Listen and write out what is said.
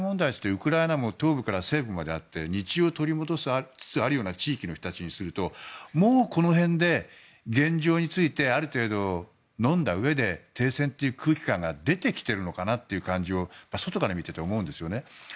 ウクライナは西部から東部があって道を取り戻しつつあるような地域の人たちからするともうこの辺で現状についてある程度、のんだうえで停戦という空気感が出てきているのかなという感じを外から見てて思うんですよね。